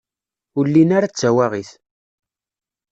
Ur llin ara d tawaɣit.